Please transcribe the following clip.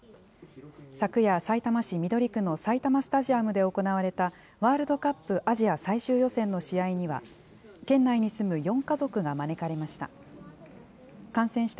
昨夜、さいたま市緑区の埼玉スタジアムで行われたワールドカップアジア最終予選の試合には、県内に住む４家族が招かれました。